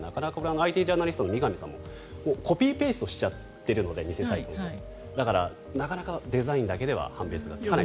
ＩＴジャーナリストの三上さんもコピーアンドペーストしちゃってるのでだからなかなかデザインだけでは判別がつかない。